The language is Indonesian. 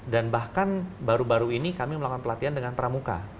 dan bahkan baru baru ini kami melakukan pelatihan dengan pramuka